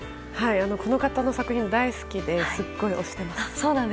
この方の作品大好きですっごく推しています。